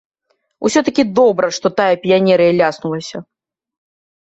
Усё-такі добра, што тая піянерыя ляснулася!